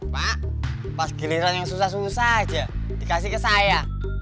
pak pas giliran yang susah susah aja dikasih ke saya